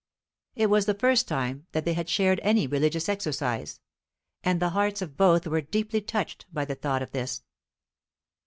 It was the first time that they had shared any religious exercise, and the hearts of both were deeply touched by the thought of this.